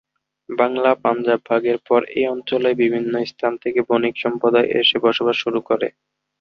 বাংলা-পাঞ্জাব ভাগের পর এই অঞ্চলে বিভিন্ন স্থান থেকে বণিক সম্প্রদায় এসে বসবাস করা শুরু করে।